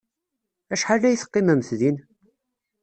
Acḥal ay teqqimemt din?